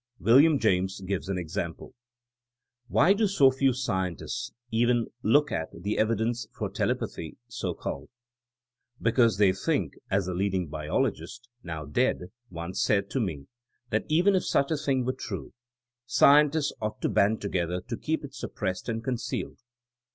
William James gives an example : *'Why do so few * scientists* even look at the evidence for telepathy, so called? Because they think, as a leading biologist, now dead, once said to me, that even if such a thing were true, scien tists ought to band together to keep it sup pressed and concealed.